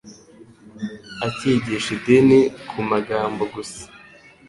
akigisha idini ku magambo gusa,